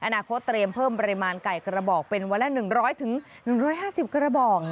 อนาคตเตรียมเพิ่มปริมาณไก่กระบอกเป็นวันละ๑๐๐๑๕๐กระบอก